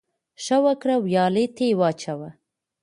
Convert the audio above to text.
ـ ښه وکړه ، ويالې ته يې واچوه.